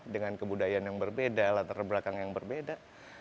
dengan kebudayaan yang berbeda latar belakang yang berbeda